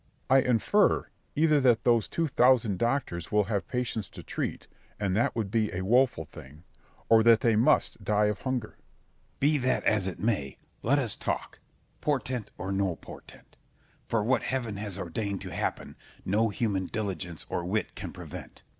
Berg. I infer either that those two thousand doctors will have patients to treat, and that would be a woful thing, or that they must die of hunger. Scip. Be that as it may, let us talk, portent or no portent; for what heaven has ordained to happen, no human diligence or wit can prevent.